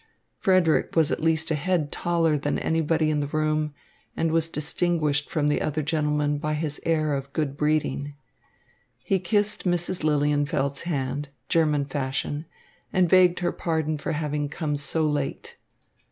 Frederick was at least a head taller than anybody in the room and was distinguished from the other gentlemen by his air of good breeding. He kissed Mrs. Lilienfeld's hand, German fashion, and begged her pardon for having come so late.